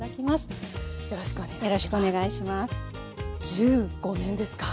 １５年ですか。